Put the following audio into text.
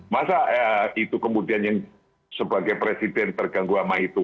masa itu kemudian yang sebagai presiden terganggu sama itu